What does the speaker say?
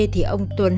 thì ông tuấn